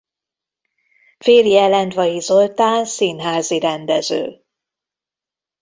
Férje Lendvai Zoltán színházi rendező.